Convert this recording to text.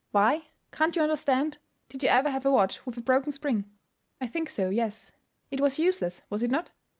"Why? Can't you understand? Did you ever have a watch with a broken spring?" "I think so; yes." "It was useless, was it not?"